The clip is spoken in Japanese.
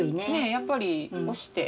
やっぱりおして。